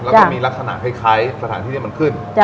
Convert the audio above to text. แล้วก็มีลักษณะคล้ายสถานที่นี้มันขึ้น